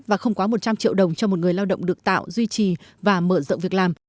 và không quá một trăm linh triệu đồng cho một người lao động được tạo duy trì và mở rộng việc làm